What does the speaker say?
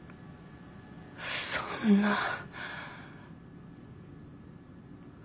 そんな。